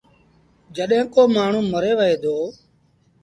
جيڪڏهين ڪو مآڻهوٚٚݩ مري وهي دو